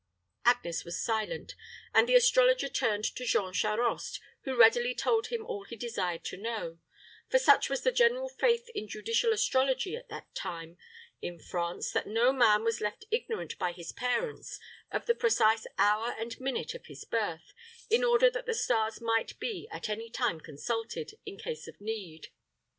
Agnes was silent, and the astrologer turned to Jean Charost, who readily told him all he desired to know; for such was the general faith in judicial astrology at that time in France, that no man was left ignorant by his parents of the precise hour and minute of his birth, in order that the stars might be at any time consulted, in case of need.